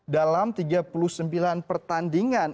dalam tiga puluh sembilan pertandingan